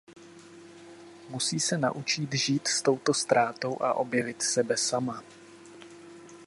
Musí se naučit žít s touto ztrátou a objevit sebe sama.